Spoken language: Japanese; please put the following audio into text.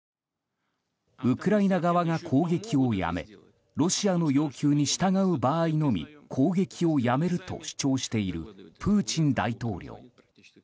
ウクライナ側が攻撃をやめロシアの要求に従う場合のみ攻撃をやめると主張しているプーチン大統領。